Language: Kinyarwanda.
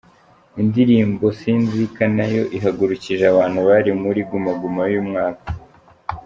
Indirimbo ’Sinzika’ Nayo ihagurukije abantu bari muri Guma Guma y’uyu mwaka.